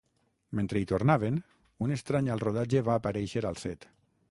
Mentre hi tornaven, un estrany al rodatge va aparèixer al set.